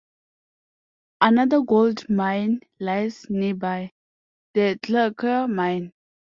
Another gold mine lies nearby, the Clogau mine.